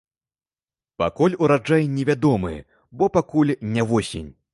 Пакуль ураджай не вядомы, бо пакуль не восень.